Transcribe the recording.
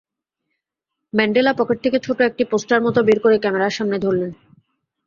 Mandela pocket থেকে ছোট একটি পোস্টার মতো বের করে ক্যামেরার সামনে ধরলেন।